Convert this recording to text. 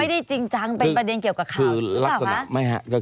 ไม่ได้จริงจังเป็นประเด็นเกี่ยวกับข่าว